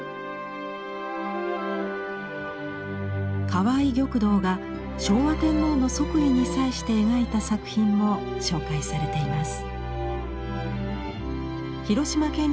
川合玉堂が昭和天皇の即位に際して描いた作品も紹介されています。